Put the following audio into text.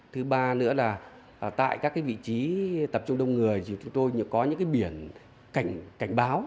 thứ ba nữa là tại các vị trí tập trung đông người thì chúng tôi có những biển cảnh báo